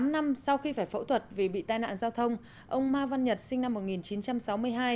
tám năm sau khi phải phẫu thuật vì bị tai nạn giao thông ông ma văn nhật sinh năm một nghìn chín trăm sáu mươi hai